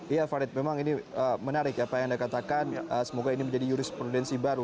iya farid memang ini menarik apa yang anda katakan semoga ini menjadi jurisprudensi baru